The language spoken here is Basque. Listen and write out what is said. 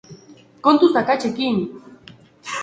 Kontuz akatsekin!